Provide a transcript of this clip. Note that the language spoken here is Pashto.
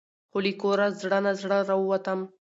خو له کوره زړه نا زړه راوتم .